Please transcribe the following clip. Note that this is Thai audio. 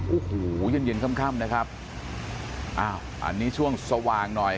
โอ้โหเย็นเย็นค่ำนะครับอ้าวอันนี้ช่วงสว่างหน่อย